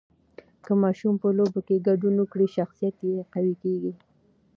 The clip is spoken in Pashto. که ماشوم په لوبو کې ګډون وکړي، شخصیت یې قوي کېږي.